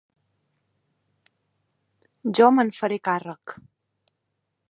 Jo me'n faré càrrec.